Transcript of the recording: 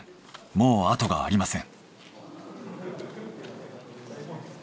もう後がありません。